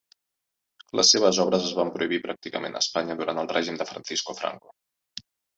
Les seves obres es van prohibir pràcticament a Espanya durant el règim de Francisco Franco.